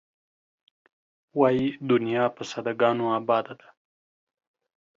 وایې دنیا په ساده ګانو آباده ده.